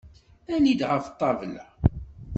Ali-d ɣef ṭṭabla!